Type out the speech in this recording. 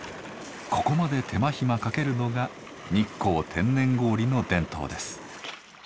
ここまで手間暇かけるのが日光天然氷の伝統です。